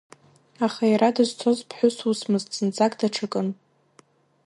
Аха иара дызцоз ԥҳәыс усмызт, зынӡаск даҽакын…